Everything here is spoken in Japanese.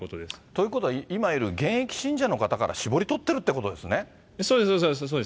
ということは今いる現役信者の方からしぼりとってるというこそうです、そうです。